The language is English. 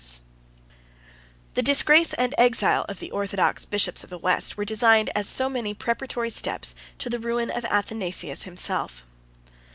] The disgrace and exile of the orthodox bishops of the West were designed as so many preparatory steps to the ruin of Athanasius himself.